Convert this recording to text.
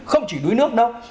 không chỉ đuối nước đâu